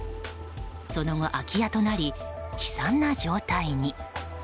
その後、空き家となり悲惨な状態に。